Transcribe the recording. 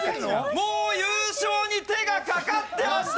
もう優勝に手が掛かってました！